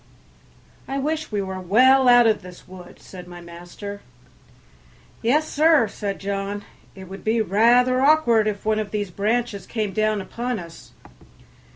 "I wish we were well out of this wood," said my master. "Yes, sir," said John, "it would be rather awkward if one of these branches came down upon us."